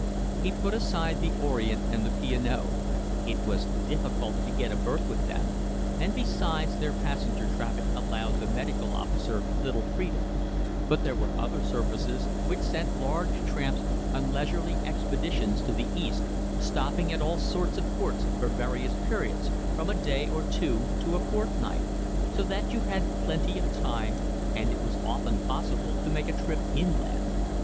He put aside the Orient and the P. & O. It was difficult to get a berth with them; and besides their passenger traffic allowed the medical officer little freedom; but there were other services which sent large tramps on leisurely expeditions to the East, stopping at all sorts of ports for various periods, from a day or two to a fortnight, so that you had plenty of time, and it was often possible to make a trip inland.